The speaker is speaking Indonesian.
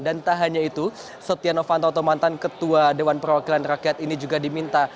dan tak hanya itu setia novanto atau mantan ketua dewan perwakilan rakyat ini juga diminta